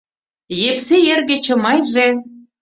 Епсей эрге Чымайже